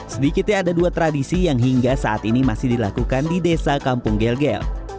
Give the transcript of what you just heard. sedikitnya ada dua tradisi yang hingga saat ini masih dilakukan di desa kampung gel gel